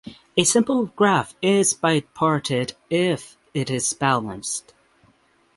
A simple graph is bipartite iff it is balanced.